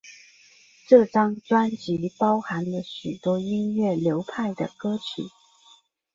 这张专辑包含了许多音乐流派的歌曲。